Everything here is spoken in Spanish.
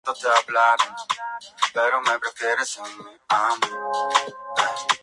Ha discutido la dificultad que tuvo para establecerse en Cambridge.